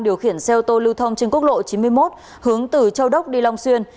điều khiển xe ô tô lưu thông trên quốc lộ chín mươi một hướng từ châu đốc đi long xuyên